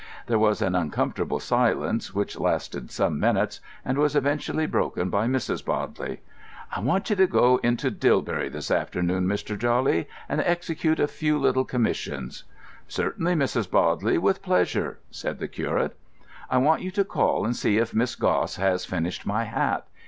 There was an uncomfortable silence which lasted some minutes, and was eventually broken by Mrs. Bodley. "I want you to go into Dilbury this afternoon, Mr. Jawley, and execute a few little commissions." "Certainly, Mrs. Bodley. With pleasure," said the curate. "I want you to call and see if Miss Gosse has finished my hat.